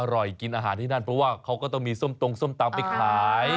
อร่อยกินอาหารที่นั่นเพราะว่าเขาก็ต้องมีส้มตรงส้มตำไปขาย